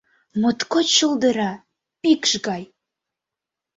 Моткоч шолдыра, пӱкш гай!